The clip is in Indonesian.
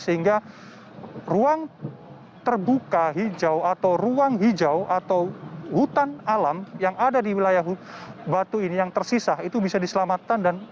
sehingga ruang terbuka hijau atau ruang hijau atau hutan alam yang ada di wilayah batu ini yang tersisa itu bisa diselamatkan